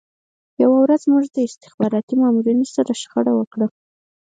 یوه ورځ موږ له استخباراتي مامورینو سره شخړه وکړه